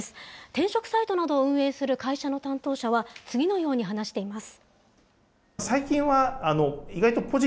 転職サイトなどを運営する会社の担当者は、次のように話しています。